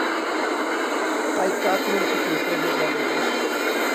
Hai catro enciclopedias galegas.